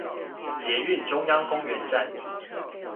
捷運中央公園站